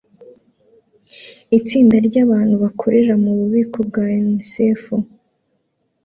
Itsinda ryabantu bakorera mububiko bwa UNICEF